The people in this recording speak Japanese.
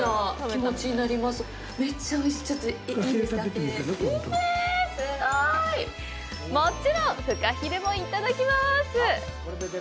もちろん、フカヒレもいただきます！